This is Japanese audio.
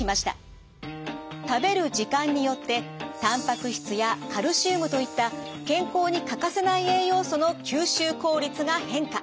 食べる時間によってたんぱく質やカルシウムといった健康に欠かせない栄養素の吸収効率が変化。